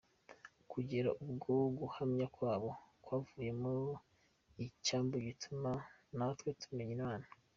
, kugera ubwo guhamya kwabo byavuyemo icyambu gituma natwe tumenya Imana,.